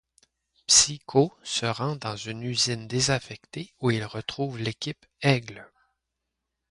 Psycho se rend dans une usine désaffectée où il retrouve l’équipe Aigle.